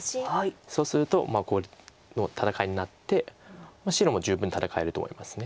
そうするとこの戦いになって白も十分戦えると思います。